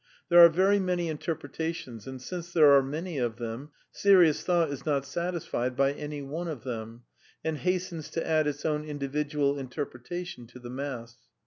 There are very many interpretations, and since there are many of them, serious thought is not satisfied by any one of them, and hastens to add its own individual interpretation to the mass.